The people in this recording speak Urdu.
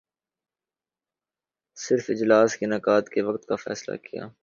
صرف اجلاس کے انعقاد کے وقت کا فیصلہ کیا